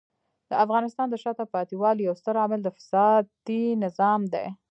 د افغانستان د شاته پاتې والي یو ستر عامل د فسادي نظام دی.